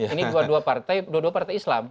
ini dua dua partai dua dua partai islam